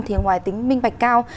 thì ngoài tính minh bạch cao